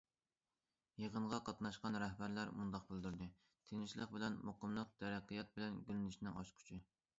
يىغىنغا قاتناشقان رەھبەرلەر مۇنداق بىلدۈردى: تىنچلىق بىلەن مۇقىملىق تەرەققىيات بىلەن گۈللىنىشنىڭ ئاچقۇچى.